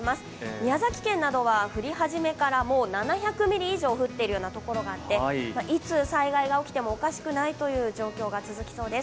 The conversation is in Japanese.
宮崎県などは降り始めから７００ミリ以上降っているようなところもあって、いつ災害が起きても、おかしくないという状況が続きそうです。